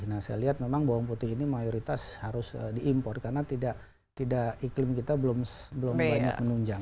nah saya lihat memang bawang putih ini mayoritas harus diimpor karena iklim kita belum banyak menunjang